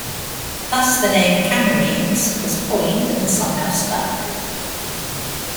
Thus, the name "Camarines" was coined and somehow stuck.